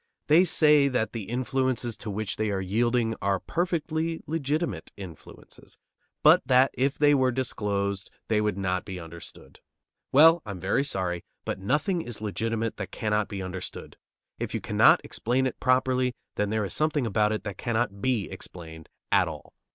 They say that the influences to which they are yielding are perfectly legitimate influences, but that if they were disclosed they would not be understood. Well, I am very sorry, but nothing is legitimate that cannot be understood. If you cannot explain it properly, then there is something about it that cannot be explained at all.